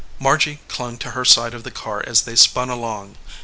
Margy clung to her s de of the car as they spun along.